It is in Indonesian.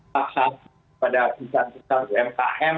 paksa pada pesan pesan umkm